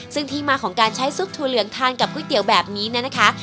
ซึ่งที่มาของการใช้ซุปถั่วเหลืองทานกับก๋วยเตี๋ยวแบบนี้เนี่ยนะคะ